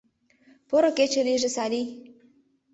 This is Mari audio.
— Поро кече лийже, Салий!